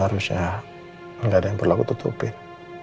harusnya gak ada yang perlu aku tutupin